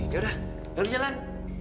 yaudah yaudah jalan